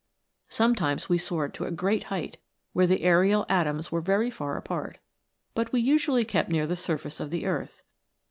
" Sometimes we soared to a great height, where the aerial atoms were very far apart, but we usually kept near the surface of the earth.